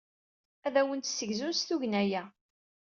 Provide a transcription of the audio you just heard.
Ad awent-d-ssegzun s tugna-a.